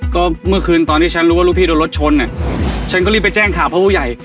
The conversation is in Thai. ก็เมื่อคืนตอนที่ฉันรู้ว่าลูกพี่โดนรถชนอ่ะฉันก็รีบไปแจ้งข่าวเพราะผู้ใหญ่